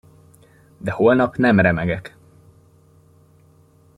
De holnap nem remegek!